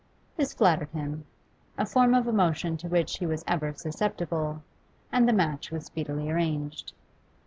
This flattered him a form of emotion to which he was ever susceptible and the match was speedily arranged.